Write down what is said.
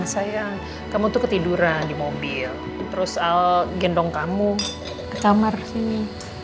sayang kamu tuh ketiduran di mobil terus gendong kamu ke kamar sih